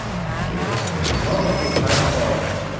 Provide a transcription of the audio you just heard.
หัวมงกุฏท้ายมังกร